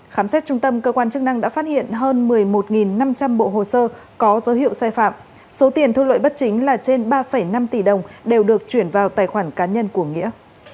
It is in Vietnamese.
khám xét trung tâm cơ quan chức năng đã phát hiện hơn một mươi một năm trăm linh bộ hồ sơ có dấu hiệu sai phạm số tiền thu lợi bất chính là trên ba năm tỷ đồng đều được chuyển vào tài khoản cá nhân của nghĩa